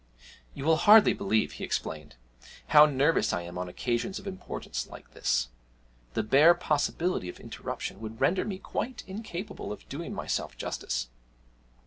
'You will hardly believe,' he explained, 'how nervous I am on occasions of importance like this; the bare possibility of interruption would render me quite incapable of doing myself justice.'